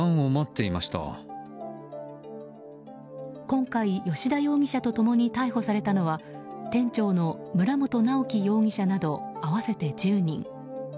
今回、吉田容疑者と共に逮捕されたのは店長の村本直樹容疑者など合わせて１０人。